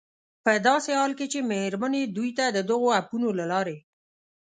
په داسې حال کې چې مېرمنې دوی ته د دغو اپونو له لارې